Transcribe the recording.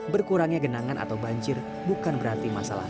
berkurangnya genangan atau banjir bukan berarti masalah